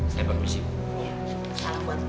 saya bangun sih